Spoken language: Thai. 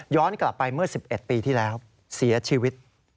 กลับไปเมื่อ๑๑ปีที่แล้วเสียชีวิต